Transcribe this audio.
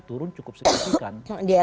turun cukup sedikit kan